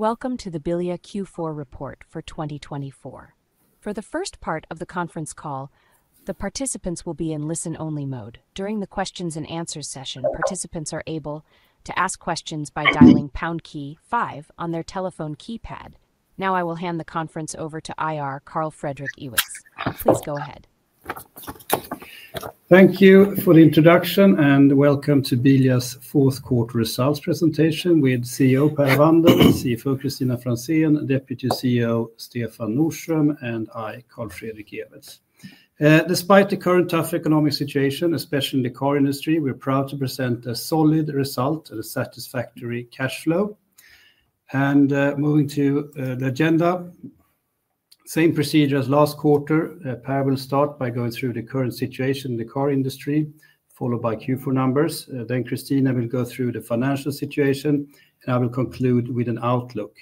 Welcome to the Bilia Q4 report for 2024. For the first part of the conference call, the participants will be in listen-only mode. During the questions and answer session, participants are able to ask questions by dialing pound key five on their telephone keypad. Now I will hand the conference over to IR, Carl Fredrik Ewetz. Please go ahead. Thank you for the introduction, and welcome to Bilia's fourth quarter results presentation with CEO Per Avander, CFO Kristina Franzén, Deputy CEO Stefan Nordström, and I, Carl Fredrik Ewetz. Despite the current tough economic situation, especially in the car industry, we're proud to present a solid result and a satisfactory cash flow. And moving to the agenda, same procedure as last quarter. Per will start by going through the current situation in the car industry, followed by Q4 numbers. Then Kristina will go through the financial situation, and I will conclude with an outlook.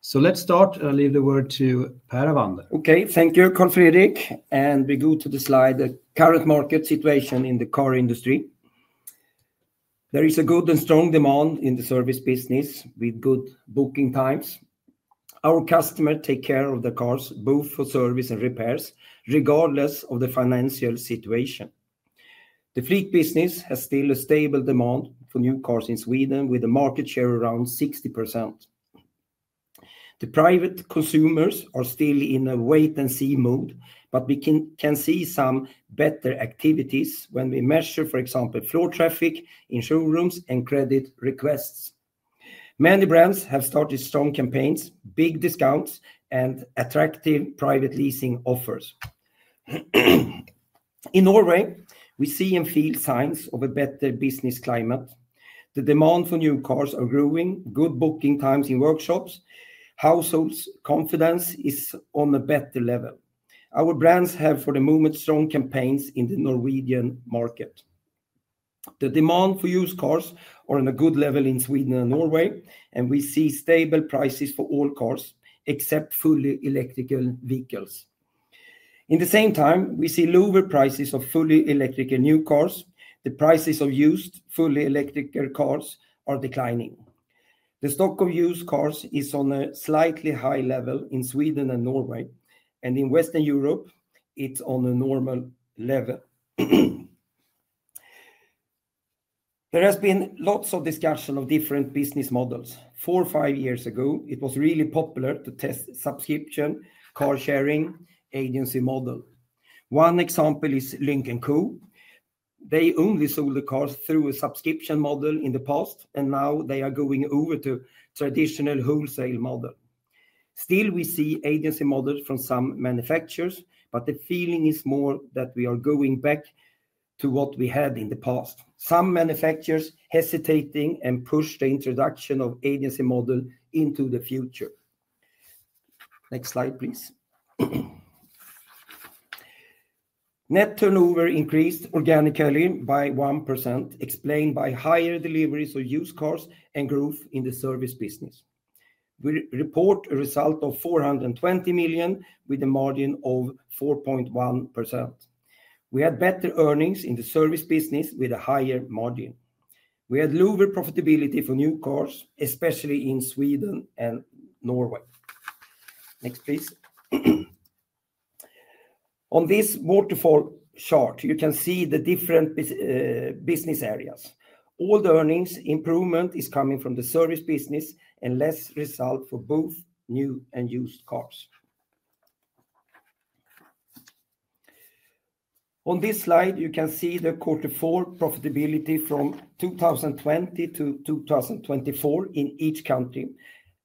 So let's start, and I'll leave the word to Per Avander. Okay, thank you, Carl Fredrik, and we go to the slide. The current market situation in the car industry. There is a good and strong demand in the service business, with good booking times. Our customers take care of the cars, both for service and repairs, regardless of the financial situation. The fleet business has still a stable demand for new cars in Sweden, with a market share around 60%. The private consumers are still in a wait-and-see mode, but we can see some better activities when we measure, for example, floor traffic in showrooms and credit requests. Many brands have started strong campaigns, big discounts, and attractive private leasing offers. In Norway, we see and feel signs of a better business climate. The demand for new cars is growing, good booking times in workshops, household confidence is on a better level. Our brands have for the moment strong campaigns in the Norwegian market. The demand for used cars is on a good level in Sweden and Norway, and we see stable prices for all cars, except fully electrical vehicles. In the same time, we see lower prices of fully electrical new cars. The prices of used fully electrical cars are declining. The stock of used cars is on a slightly high level in Sweden and Norway, and in Western Europe, it's on a normal level. There has been lots of discussion of different business models. Four or five years ago, it was really popular to test subscription, car sharing, agency model. One example is Lynk & Co. They only sold the cars through a subscription model in the past, and now they are going over to a traditional wholesale model. Still, we see agency models from some manufacturers, but the feeling is more that we are going back to what we had in the past. Some manufacturers are hesitating and pushing the introduction of agency models into the future. Next slide, please. Net turnover increased organically by 1%, explained by higher deliveries of used cars and growth in the service business. We report a result of 420 million, with a margin of 4.1%. We had better earnings in the service business, with a higher margin. We had lower profitability for new cars, especially in Sweden and Norway. Next, please. On this waterfall chart, you can see the different business areas. All the earnings improvement is coming from the service business and less result for both new and used cars. On this slide, you can see the quarter four profitability from 2020 to 2024 in each country.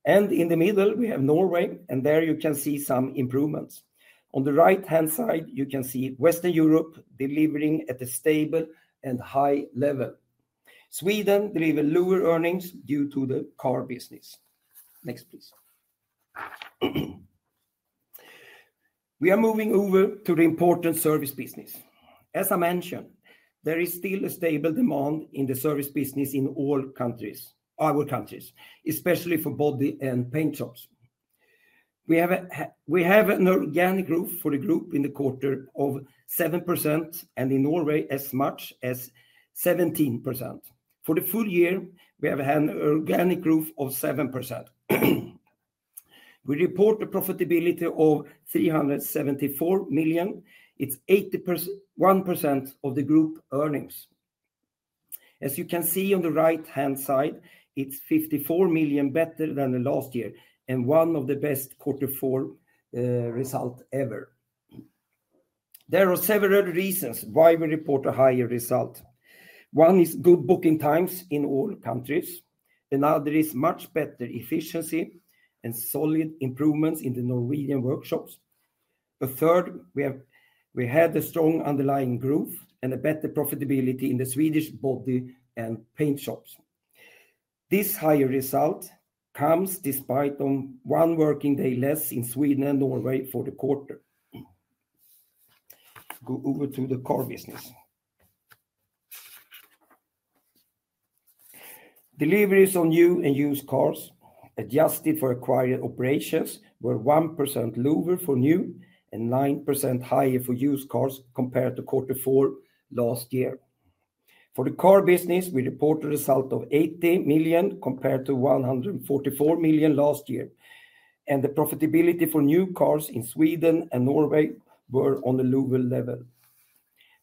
And in the middle, we have Norway, and there you can see some improvements. On the right-hand side, you can see Western Europe delivering at a stable and high level. Sweden delivers lower earnings due to the car business. Next, please. We are moving over to the important service business. As I mentioned, there is still a stable demand in the service business in all countries, our countries, especially for body and paint jobs. We have an organic growth for the group in the quarter of 7%, and in Norway, as much as 17%. For the full year, we have had an organic growth of 7%. We report a profitability of 374 million. It's 81% of the group earnings. As you can see on the right-hand side, it's 54 million better than last year and one of the best quarter four results ever. There are several reasons why we report a higher result. One is good booking times in all countries. Another is much better efficiency and solid improvements in the Norwegian workshops. A third, we had a strong underlying growth and a better profitability in the Swedish body and paint shops. This higher result comes despite one working day less in Sweden and Norway for the quarter. Go over to the car business. Deliveries on new and used cars adjusted for acquired operations were 1% lower for new and 9% higher for used cars compared to quarter four last year. For the car business, we report a result of 80 million compared to 144 million last year. And the profitability for new cars in Sweden and Norway were on a lower level.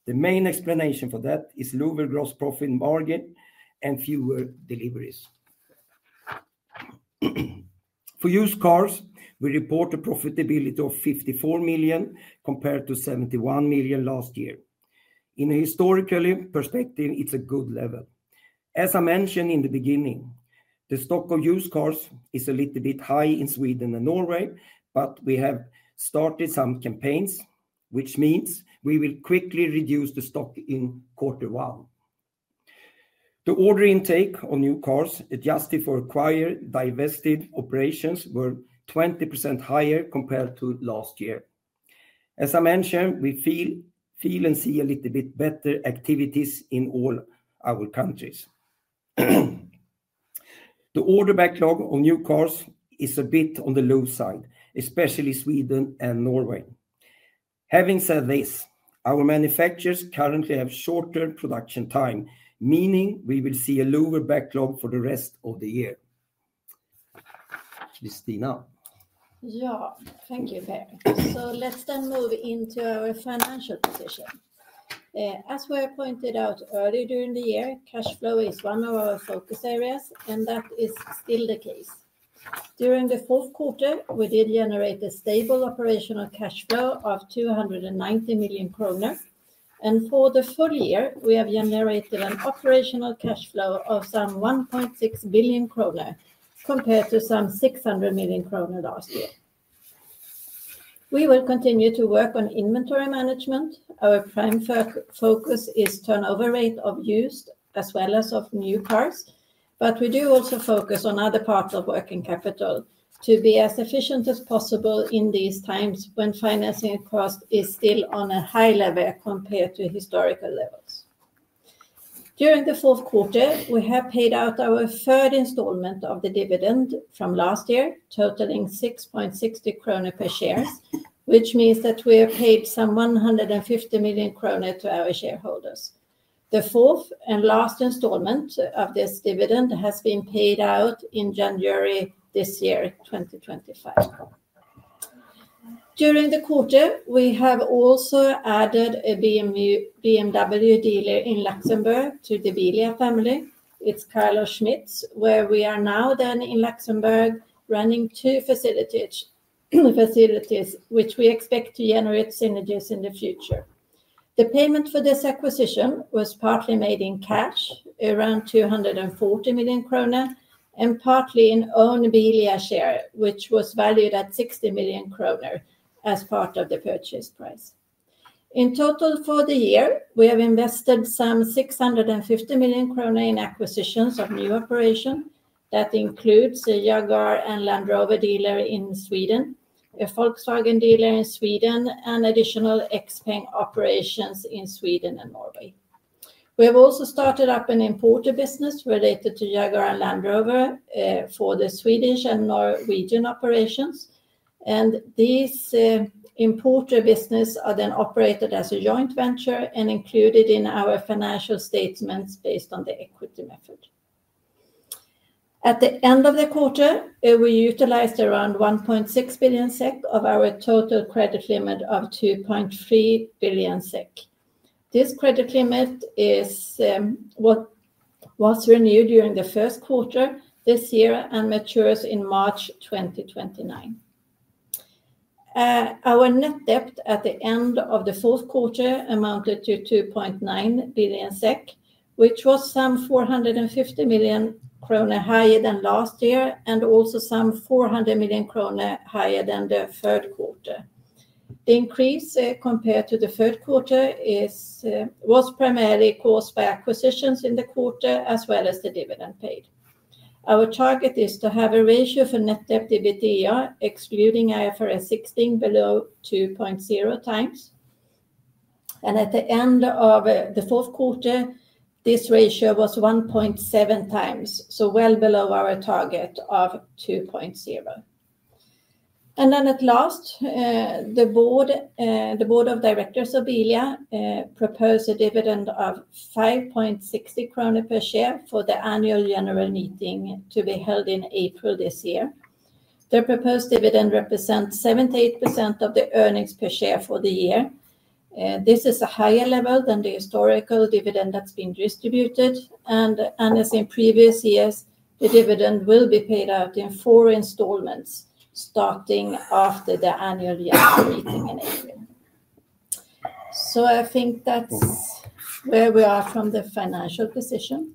The main explanation for that is lower gross profit margin and fewer deliveries. For used cars, we report a profitability of 54 million compared to 71 million last year. In a historical perspective, it's a good level. As I mentioned in the beginning, the stock of used cars is a little bit high in Sweden and Norway, but we have started some campaigns, which means we will quickly reduce the stock in quarter one. The order intake on new cars adjusted for acquired divested operations were 20% higher compared to last year. As I mentioned, we feel and see a little bit better activities in all our countries. The order backlog on new cars is a bit on the low side, especially Sweden and Norway. Having said this, our manufacturers currently have shorter production time, meaning we will see a lower backlog for the rest of the year. Kristina. Yeah, thank you, Per. So let's then move into our financial position. As we pointed out earlier during the year, cash flow is one of our focus areas, and that is still the case. During the fourth quarter, we did generate a stable operational cash flow of 290 million kronor. And for the full year, we have generated an operational cash flow of some 1.6 billion kronor compared to some 600 million kronor last year. We will continue to work on inventory management. Our prime focus is turnover rate of used as well as of new cars, but we do also focus on other parts of working capital to be as efficient as possible in these times when financing cost is still on a high level compared to historical levels. During the fourth quarter, we have paid out our third installment of the dividend from last year, totaling 6.60 krona per share, which means that we have paid some 150 million krona to our shareholders. The fourth and last installment of this dividend has been paid out in January this year, 2025. During the quarter, we have also added a BMW dealer in Luxembourg to the Bilia family. It's Carlo Schmitz, where we are now then in Luxembourg running two facilities, which we expect to generate synergies in the future. The payment for this acquisition was partly made in cash, around 240 million krona, and partly in own Bilia share, which was valued at 60 million krona as part of the purchase price. In total for the year, we have invested some 650 million krona in acquisitions of new operations. That includes a Jaguar and Land Rover dealer in Sweden, a Volkswagen dealer in Sweden, and additional XPENG operations in Sweden and Norway. We have also started up an importer business related to Jaguar and Land Rover for the Swedish and Norwegian operations. And these importer businesses are then operated as a joint venture and included in our financial statements based on the equity method. At the end of the quarter, we utilized around 1.6 billion SEK of our total credit limit of 2.3 billion SEK. This credit limit was renewed during the first quarter this year and matures in March 2029. Our net debt at the end of the fourth quarter amounted to 2.9 billion SEK, which was some 450 million kronor higher than last year and also some 400 million kronor higher than the third quarter. The increase compared to the third quarter was primarily caused by acquisitions in the quarter, as well as the dividend paid. Our target is to have a ratio for net debt to EBITDA, excluding IFRS 16, below 2.0x. At the end of the fourth quarter, this ratio was 1.7x, so well below our target of 2.0. Then, the board of directors of Bilia proposed a dividend of 5.60 krona per share for the annual general meeting to be held in April this year. The proposed dividend represents 78% of the earnings per share for the year. This is a higher level than the historical dividend that's been distributed. As in previous years, the dividend will be paid out in four installments starting after the annual general meeting in April. I think that's where we are from the financial position.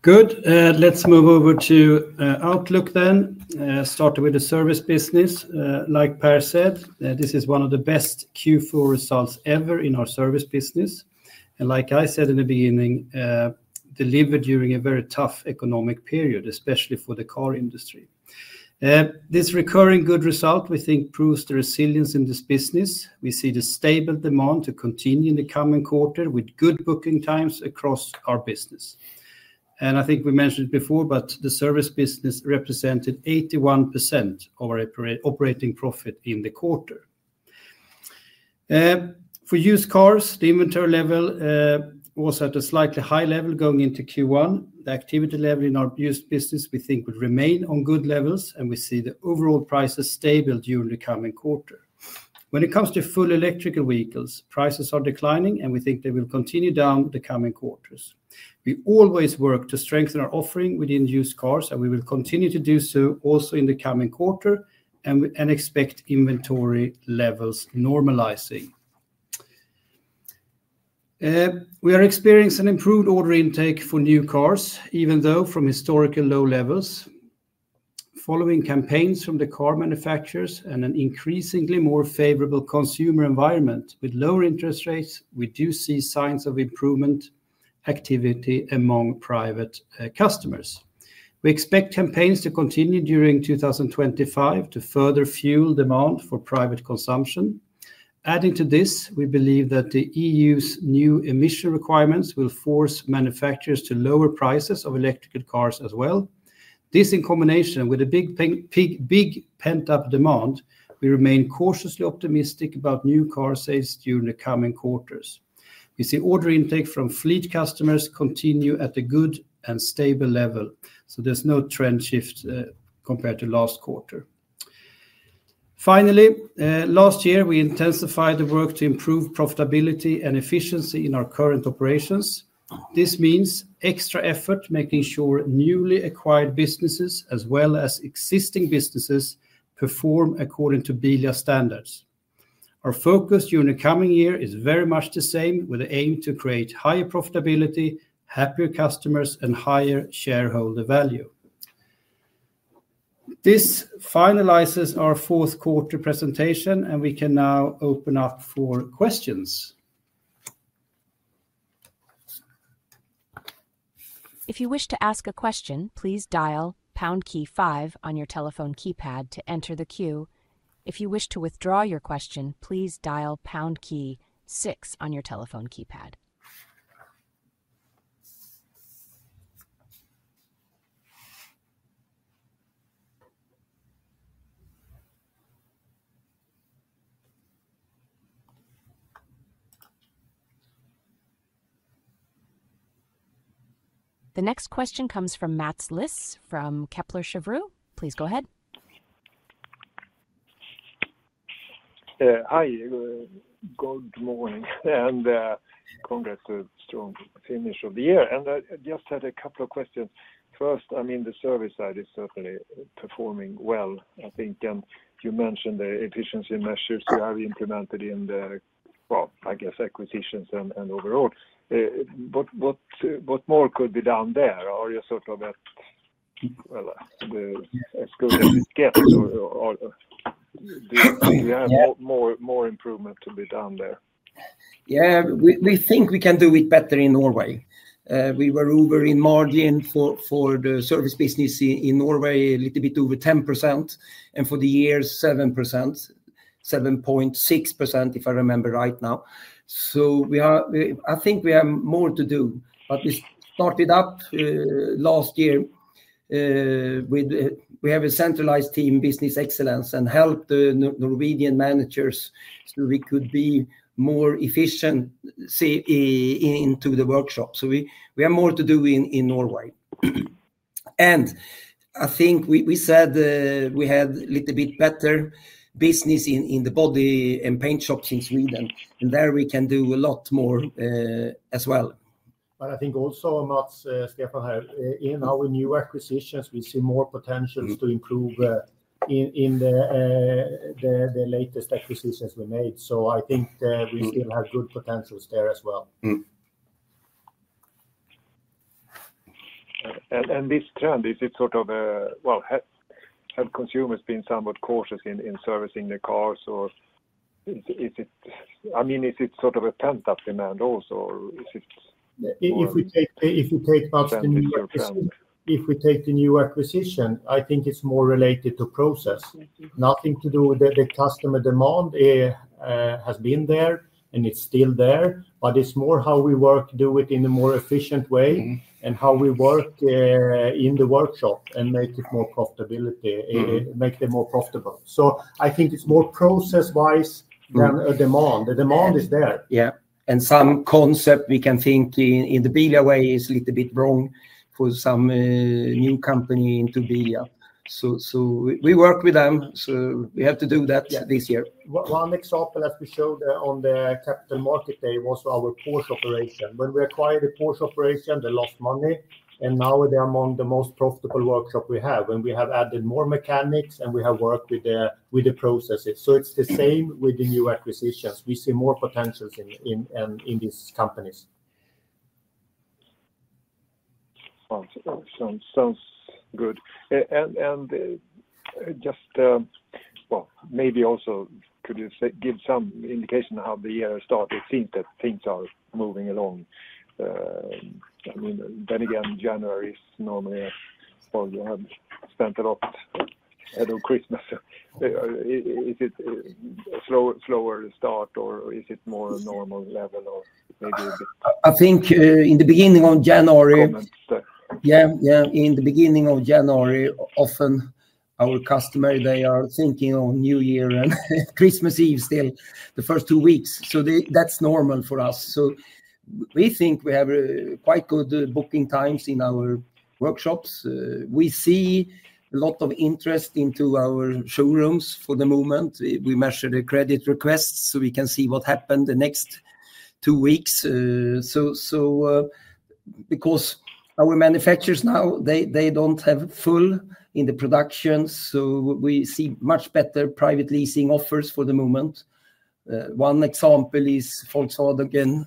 Good. Let's move over to outlook then. Started with the service business. Like Per said, this is one of the best Q4 results ever in our service business. And like I said in the beginning, delivered during a very tough economic period, especially for the car industry. This recurring good result, we think, proves the resilience in this business. We see the stable demand to continue in the coming quarter with good booking times across our business. And I think we mentioned it before, but the service business represented 81% of our operating profit in the quarter. For used cars, the inventory level was at a slightly high level going into Q1. The activity level in our used business, we think, would remain on good levels, and we see the overall prices stable during the coming quarter. When it comes to fully electrical vehicles, prices are declining, and we think they will continue down the coming quarters. We always work to strengthen our offering within used cars, and we will continue to do so also in the coming quarter and expect inventory levels normalizing. We are experiencing an improved order intake for new cars, even though from historically low levels. Following campaigns from the car manufacturers and an increasingly more favorable consumer environment with lower interest rates, we do see signs of improved activity among private customers. We expect campaigns to continue during 2025 to further fuel demand for private consumption. Adding to this, we believe that the EU's new emission requirements will force manufacturers to lower prices of electric cars as well. This, in combination with a big pent-up demand. We remain cautiously optimistic about new car sales during the coming quarters. We see order intake from fleet customers continue at a good and stable level, so there's no trend shift compared to last quarter. Finally, last year, we intensified the work to improve profitability and efficiency in our current operations. This means extra effort making sure newly acquired businesses as well as existing businesses perform according to Bilia standards. Our focus during the coming year is very much the same with the aim to create higher profitability, happier customers, and higher shareholder value. This finalizes our fourth quarter presentation, and we can now open up for questions. If you wish to ask a question, please dial pound key five on your telephone keypad to enter the queue. If you wish to withdraw your question, please dial pound key six on your telephone keypad. The next question comes from Mats Liss from Kepler Cheuvreux. Please go ahead. Hi, good morning and congrats to a strong finish of the year. I just had a couple of questions. First, I mean, the service side is certainly performing well. I think you mentioned the efficiency measures you have implemented in the, well, I guess acquisitions and overall. What more could be done there? Are you sort of at, well, as good as it gets? Do you have more improvement to be done there? Yeah, we think we can do it better in Norway. We were over the margin for the service business in Norway, a little bit over 10%, and for the year, 7%, 7.6%, if I remember right now, so I think we have more to do, but we started up last year. We have a centralized team, Business Excellence, and helped the Norwegian managers so we could be more efficient in the workshop, so we have more to do in Norway, and I think we said we had a little bit better business in the body and paint shops in Sweden, and there we can do a lot more as well. But I think also Mats, Stefan here, in our new acquisitions, we see more potential to improve in the latest acquisitions we made. So I think we still have good potentials there as well. This trend, is it sort of, well, have consumers been somewhat cautious in servicing the cars? Or is it, I mean, is it sort of a pent-up demand also? If we take the new acquisition, I think it's more related to process. Nothing to do with the customer demand has been there and it's still there, but it's more how we work, do it in a more efficient way and how we work in the workshop and make it more profitable. So I think it's more process-wise than a demand. The demand is there. Yeah, and some concept we can think in the Bilia way is a little bit wrong for some new company into Bilia. So we work with them, so we have to do that this year. One example, as we showed on the capital market day, was our Porsche operation. When we acquired the Porsche operation, they lost money, and now they're among the most profitable workshops we have. And we have added more mechanics, and we have worked with the processes. So it's the same with the new acquisitions. We see more potentials in these companies. Sounds good. And just, well, maybe also could you give some indication of how the year has started? It seems that things are moving along. I mean, then again, January is normally spent a lot at Christmas. Is it a slower start, or is it more normal level, or maybe a bit? I think in the beginning of January. Comments. Yeah, yeah. In the beginning of January, often our customers, they are thinking of New Year and Christmas Eve still, the first two weeks. So that's normal for us. So we think we have quite good booking times in our workshops. We see a lot of interest in our showrooms for the moment. We measure the credit requests so we can see what will happen the next two weeks. So because our manufacturers now, they don't have full capacity in the production, so we see much better private leasing offers for the moment. One example is Volkswagen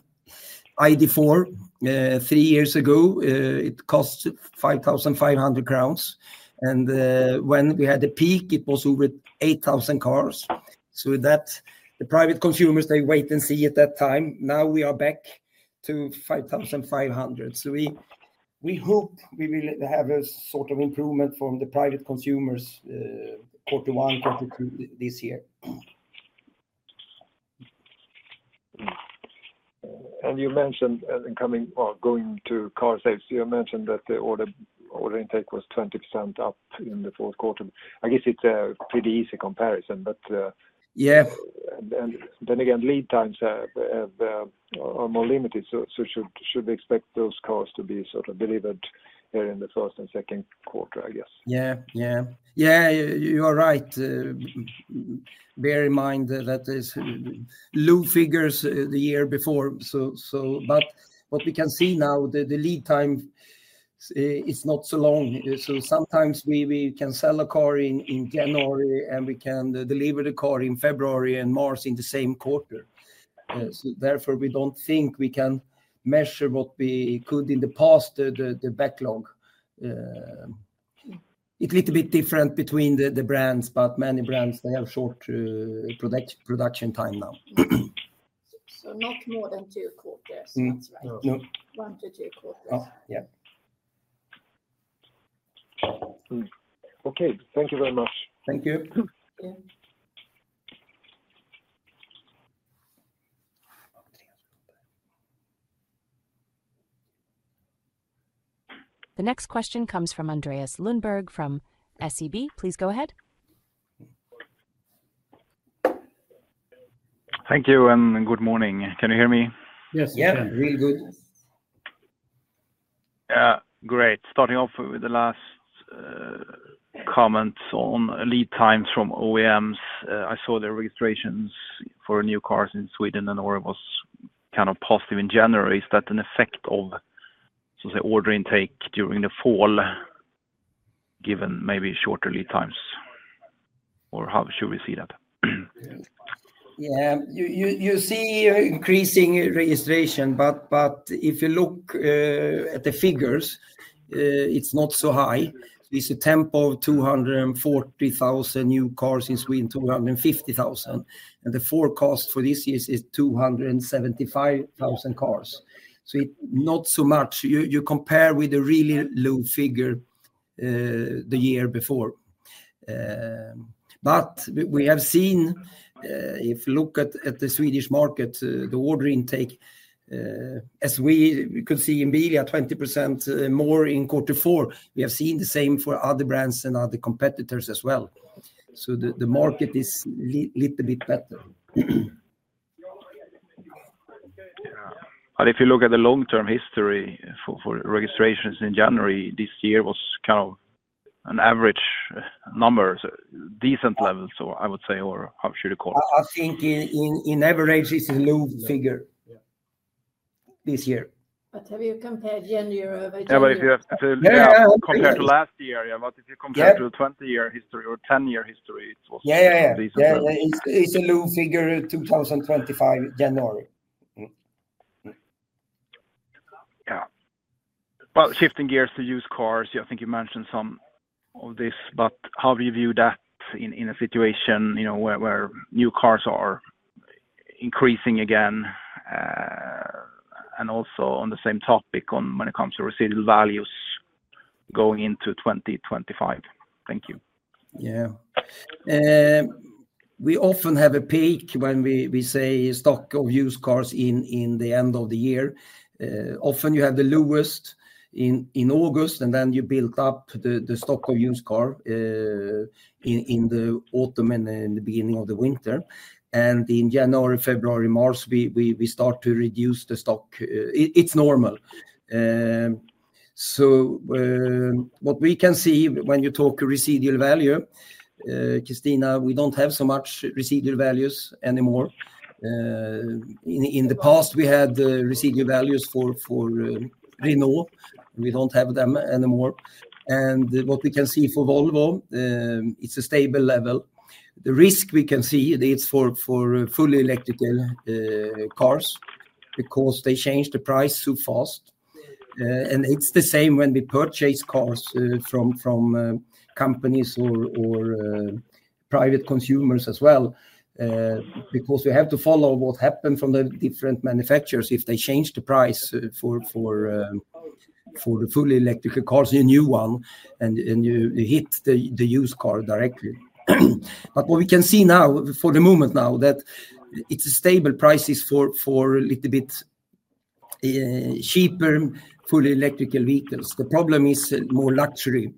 ID.4. Three years ago, it cost 5,500 crowns. And when we had a peak, it was over 8,000. So the private consumers, they wait and see at that time. Now we are back to 5,500. So we hope we will have a sort of improvement from the private consumers quarter one, quarter two this year. And you mentioned going to car sales, you mentioned that the order intake was 20% up in the fourth quarter. I guess it's a pretty easy comparison, but. Yeah. And then again, lead times are more limited, so should we expect those cars to be sort of delivered here in the first and second quarter, I guess? Yeah, yeah. Yeah, you are right. Bear in mind that there's low figures the year before. But what we can see now, the lead time is not so long. So sometimes we can sell a car in January, and we can deliver the car in February and March in the same quarter. Therefore, we don't think we can measure what we could in the past, the backlog. It's a little bit different between the brands, but many brands, they have short production time now. So not more than two quarters, that's right? No. One to two quarters. Yeah. Okay. Thank you very much. Thank you. The next question comes from Andreas Lundberg from SEB. Please go ahead. Thank you and Good morning. Can you hear me? Yes, we can hear you good. Yeah, great. Starting off with the last comments on lead times from OEMs. I saw the registrations for new cars in Sweden and Norway was kind of positive in January. Is that an effect of, so to say, order intake during the fall, given maybe shorter lead times, or how should we see that? Yeah, you see increasing registration, but if you look at the figures, it's not so high. It's a tempo of 240,000 new cars in Sweden, 250,000. And the forecast for this year is 275,000 cars. So not so much. You compare with a really low figure the year before. But we have seen, if you look at the Swedish market, the order intake, as we could see in Bilia, 20% more in quarter four. We have seen the same for other brands and other competitors as well. So the market is a little bit better. But if you look at the long-term history for registrations in January, this year was kind of an average number, decent level, so I would say, or how should you call it? I think on average, it's a low figure this year. But have you compared January? Yeah, but if you have to compare to last year, yeah, but if you compare to the 20-year history or 10-year history, it was decent. Yeah, yeah, yeah. It's a low figure, 2025, January. Yeah, well, shifting gears to used cars, I think you mentioned some of this, but how do you view that in a situation where new cars are increasing again, and also on the same topic when it comes to residual values going into 2025? Thank you. Yeah. We often have a peak when we sell stock of used cars in the end of the year. Often you have the lowest in August, and then you build up the stock of used cars in the autumn and in the beginning of the winter, and in January, February, March, we start to reduce the stock. It's normal, so what we can see when you talk residual value, Kristina, we don't have so much residual values anymore. In the past, we had residual values for Renault. We don't have them anymore. And what we can see for Volvo, it's a stable level. The risk we can see, it's for fully electrical cars because they changed the price too fast. It's the same when we purchase cars from companies or private consumers as well because we have to follow what happened from the different manufacturers if they changed the price for the fully electrical cars in a new one, and you hit the used car directly. But what we can see now, for the moment now, that it's a stable price for a little bit cheaper fully electrical vehicles. The problem is more luxury.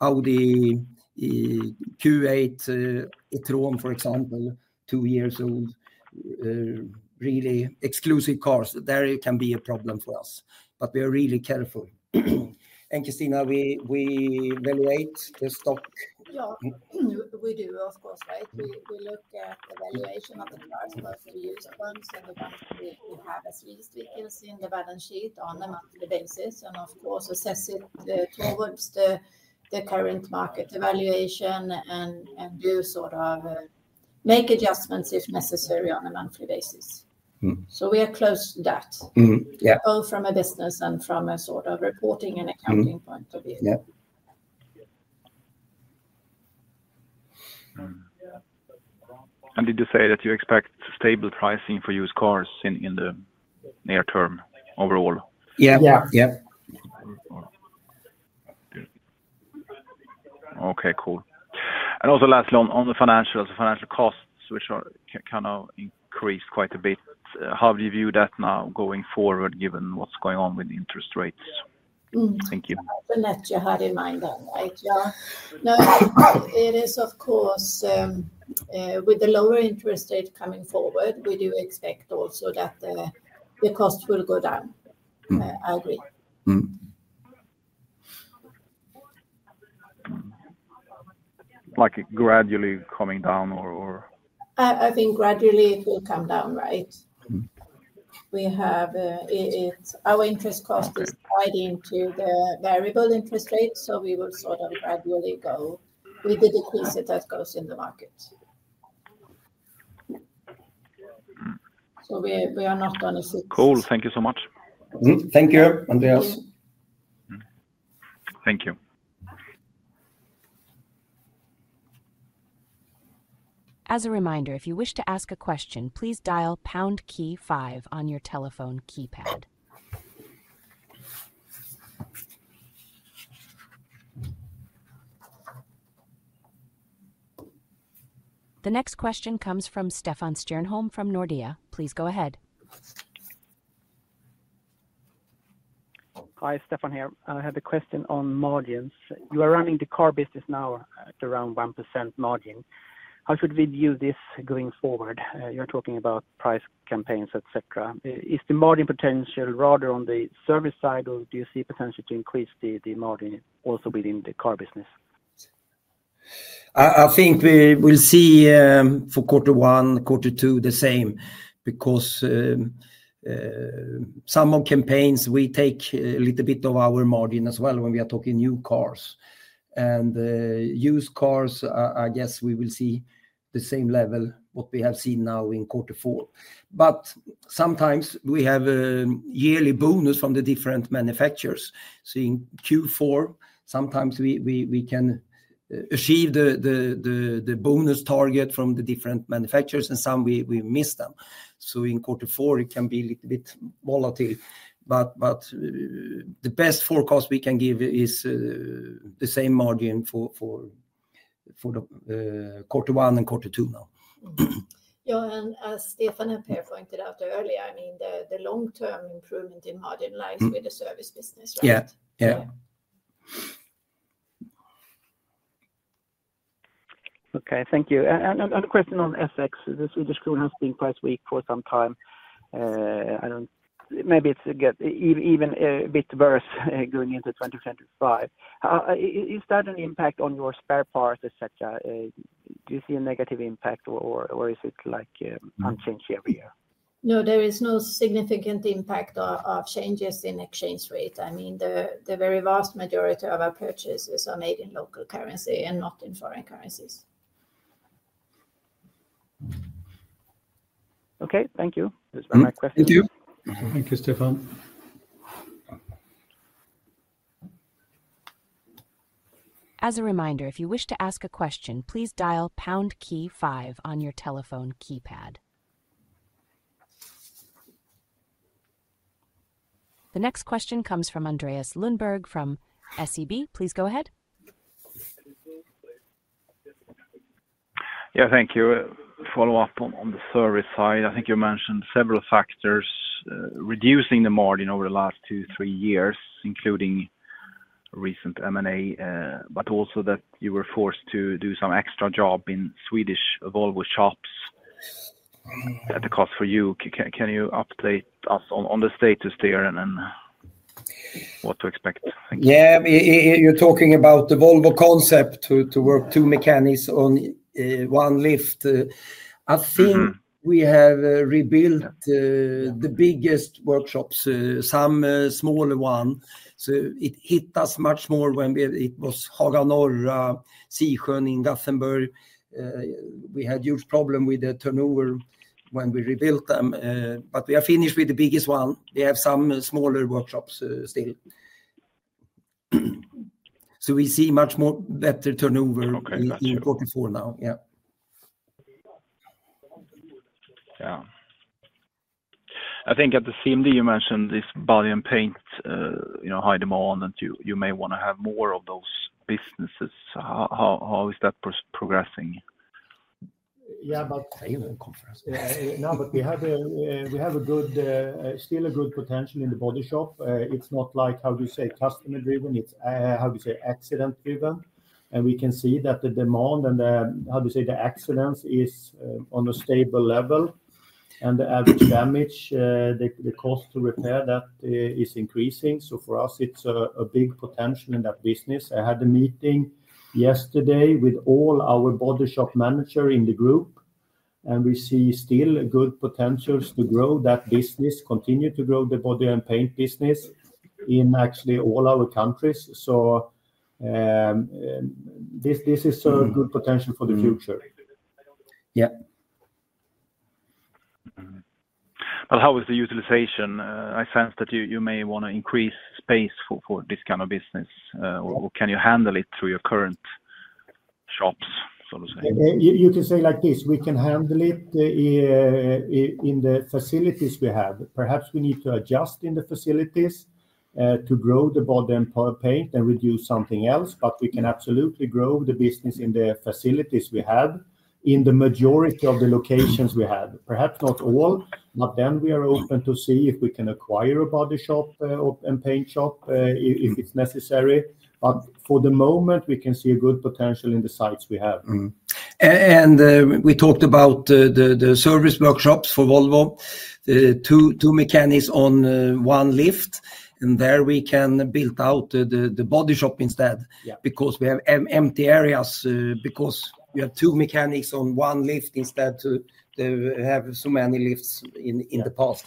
Audi Q8 e-tron, for example, two years old, really exclusive cars. There can be a problem for us, but we are really careful. And Kristina, we evaluate the stock? Yeah, we do, of course, right? We look at the valuation of the cars for the used ones and the ones we have as leased vehicles in the balance sheet on a monthly basis. And of course, assess it toward the current market evaluation and do sort of make adjustments if necessary on a monthly basis. So we are close to that, both from a business and from a sort of reporting and accounting point of view. Did you say that you expect stable pricing for used cars in the near term overall? Yeah. Yeah. Okay, cool. And also lastly, on the financials, the financial costs, which are kind of increased quite a bit. How do you view that now going forward, given what's going on with interest rates? Thank you. The net you had in mind, right? Yeah. No, it is, of course. With the lower interest rate coming forward, we do expect also that the cost will go down. I agree. Like gradually coming down or? I think gradually it will come down, right? Our interest cost is tied into the variable interest rate, so we will sort of gradually go with the decrease that goes in the market. So we are not on a fixed rate. Cool. Thank you so much. Thank you, Andreas. Thank you. As a reminder, if you wish to ask a question, please dial pound key five on your telephone keypad. The next question comes from Stefan Stjernholm from Nordea. Please go ahead. Hi, Stefan here. I have a question on margins. You are running the car business now at around 1% margin. How should we view this going forward? You're talking about price campaigns, et cetera. Is the margin potential rather on the service side, or do you see potential to increase the margin also within the car business? I think we will see for quarter one, quarter two the same because some of campaigns, we take a little bit of our margin as well when we are talking new cars, and used cars, I guess we will see the same level what we have seen now in quarter four, but sometimes we have a yearly bonus from the different manufacturers, so in Q4, sometimes we can achieve the bonus target from the different manufacturers, and some we miss them, so in quarter four, it can be a little bit volatile, but the best forecast we can give is the same margin for quarter one and quarter two now. Yeah. And as Stefan had pointed out earlier, I mean, the long-term improvement in margin lines with the service business, right? Yeah. Okay. Thank you. And a question on FX. The Swedish krona has been quite weak for some time. Maybe it's even a bit worse going into 2025. Is that an impact on your spare parts, et cetera.? Do you see a negative impact, or is it like unchanged every year? No, there is no significant impact of changes in exchange rate. I mean, the very vast majority of our purchases are made in local currency and not in foreign currencies. Okay. Thank you. That's my question. Thank you. Thank you, Stefan. As a reminder, if you wish to ask a question, please dial pound key five on your telephone keypad. The next question comes from Andreas Lundberg from SEB. Please go ahead. Yeah, thank you. Follow-up on the service side. I think you mentioned several factors reducing the margin over the last two, three years, including recent M&A, but also that you were forced to do some extra job in Swedish Volvo shops at the cost for you. Can you update us on the status there and what to expect? Yeah. You're talking about the Volvo concept to work two mechanics on one lift. I think we have rebuilt the biggest workshops, some smaller ones. So it hit us much more when it was Haga Norra, Sisjön, in Gothenburg. We had huge problems with the turnover when we rebuilt them. But we are finished with the biggest one. We have some smaller workshops still. So we see much better turnover in quarter four now. Yeah. Yeah. I think at the CMD, you mentioned this body and paint high demand, and you may want to have more of those businesses. How is that progressing? Yeah, but we have still a good potential in the body shop. It's not like, how do you say, customer-driven. It's, how do you say, accident-driven. And we can see that the demand and, how do you say, the accidents is on a stable level. And the average damage, the cost to repair that is increasing. So for us, it's a big potential in that business. I had a meeting yesterday with all our body shop managers in the group, and we see still good potentials to grow that business, continue to grow the body and paint business in actually all our countries. So this is a good potential for the future. Yeah. But how is the utilization? I sense that you may want to increase space for this kind of business, or can you handle it through your current shops, so to say? You can say like this. We can handle it in the facilities we have. Perhaps we need to adjust in the facilities to grow the body and paint and reduce something else, but we can absolutely grow the business in the facilities we have in the majority of the locations we have. Perhaps not all, but then we are open to see if we can acquire a body shop and paint shop if it's necessary. But for the moment, we can see a good potential in the sites we have, and we talked about the service workshops for Volvo, two mechanics on one lift, and there we can build out the body shop instead because we have empty areas because we have two mechanics on one lift instead to have so many lifts in the past.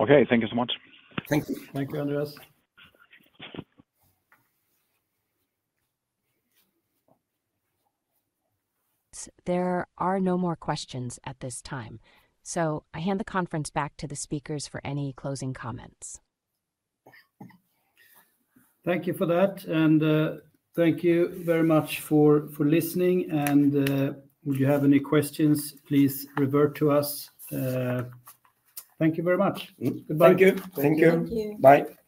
Okay. Thank you so much. Thank you. Thank you, Andreas. There are no more questions at this time. So I hand the conference back to the speakers for any closing comments. Thank you for that. And thank you very much for listening. And would you have any questions? Please revert to us. Thank you very much. Goodbye. Thank you. Thank you. Thank you. Bye.